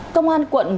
công an quận gòi